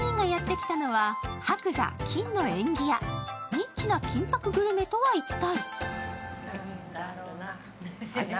ニッチな金ぱくグルメとは一体？